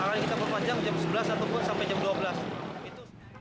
akan kita memanjang jam sebelas atau pun sampai jam dua belas